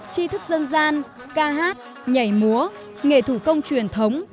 tri thức dân gian ca hát nhảy múa nghệ thủ công truyền thống